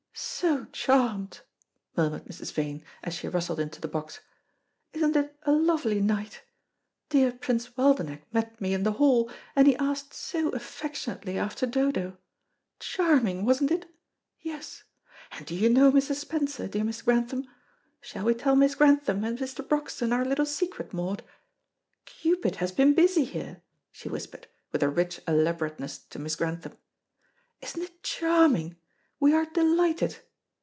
"So charmed,", murmured Mrs. Vane, as she rustled into the box. "Isn't it a lovely night? Dear Prince Waldenech met me in the hall, and he asked so affectionately after Dodo. Charming, wasn't it? Yes. And do you know Mr. Spencer, dear Miss Grantham? Shall we tell Miss Grantham and Mr. Broxton our little secret, Maud? Cupid has been busy here," she whispered, with a rich elaborateness to Miss Grantham. "Isn't it charming? We are delighted.